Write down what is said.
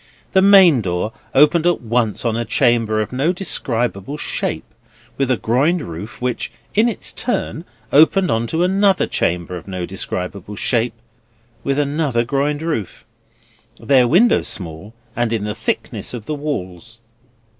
The main door opened at once on a chamber of no describable shape, with a groined roof, which in its turn opened on another chamber of no describable shape, with another groined roof: their windows small, and in the thickness of the walls.